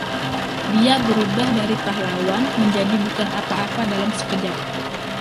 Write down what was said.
Dia berubah dari pahlawan menjadi bukan apa-apa dalam sekejap.